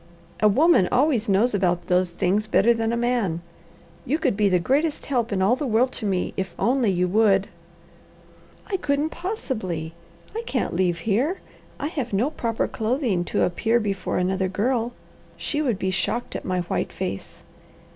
A woman always knows about those things better than a man. You could be the greatest help in all the world to me, if only you would." "I couldn't possibly! I can't leave here. I have no proper clothing to appear before another girl. She would be shocked at my white face.